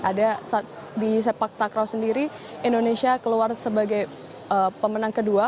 ada di sepak takraw sendiri indonesia keluar sebagai pemenang kedua